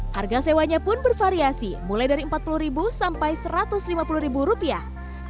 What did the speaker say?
harga sewanya pun bervariasi mulai dari empat puluh sampai satu ratus lima puluh rupiah